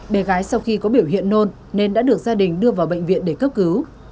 bé gái sau khi có biểu hiện nôn nên đã được gia đình đưa vào bệnh viện để cấp cứu